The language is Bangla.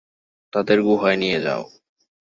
তাদের গুহায় নিয়ে যাও।